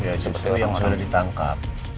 ya seperti yang sudah ditangkap